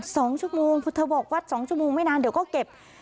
สองชั่วโมงคือเธอบอกวัดสองชั่วโมงไม่นานเดี๋ยวก็เก็บ